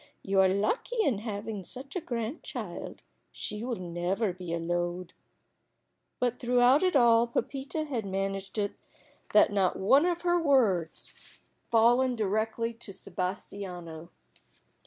You are lucky in having such a grandchild. She will never be a load." But throughout it all Pepita had managed it that not one of her words had fallen directly to Sebastiano.